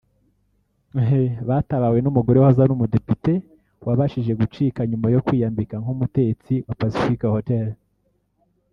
Batabawe n’umugore wahoze ari umudepite wabashije gucika nyuma yo kwiyambika nk’umutetsi wa Pacific Hotel